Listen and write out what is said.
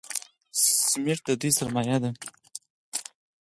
سمت د دوی سرمایه ده.